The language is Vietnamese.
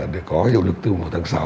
để có hiệu lực từ một tháng sáu